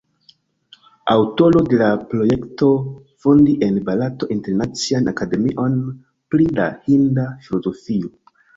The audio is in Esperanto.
Aŭtoro de la projekto fondi en Barato Internacian Akademion pri la Hinda Filozofio.